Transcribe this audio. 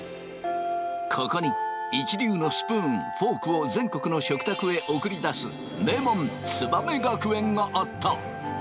ここに一流のスプーンフォークを全国の食卓へ送り出す名門燕学園があった。